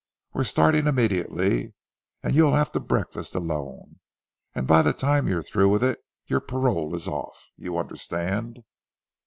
We're starting immediately, and you'll have to breakfast alone, and by the time you're through with it your parole is off. You understand?"